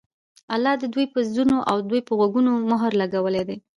الله د دوى پر زړونو او د دوى په غوږونو مهر لګولى